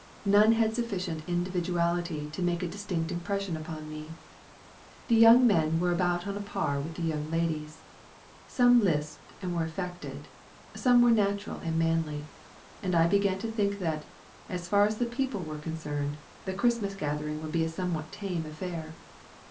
None had sufficient individuality to make a distinct impression upon me. The young men were about on a par with the young ladies. Some lisped and were affected, some were natural and manly; and I began to think that, as far as the people were concerned, the Christmas gathering would be a somewhat tame affair.